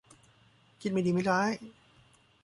คิดมิดีมิร้าย